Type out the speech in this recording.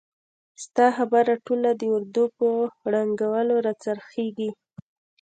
ستا خبره ټول د اردو په ړنګولو را څرخیږي!